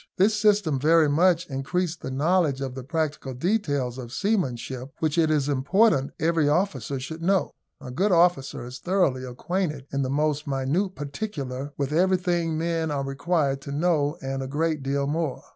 This system very much increased the knowledge of the practical details of seamanship, which it is important every officer should know. A good officer is thoroughly acquainted in the most minute particular with everything men are required to know, and a great deal more.